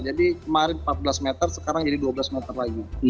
jadi kemarin empat belas meter sekarang jadi dua belas meter lagi